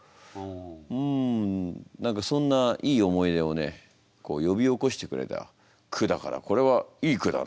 ん何かそんないい思い出をね呼び起こしてくれた句だからこれはいい句だなこれはな。